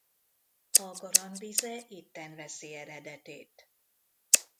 A Garan vize itten veszi eredetét.